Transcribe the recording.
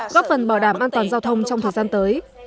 góp phần bảo đảm an toàn giao thông trong thời gian tới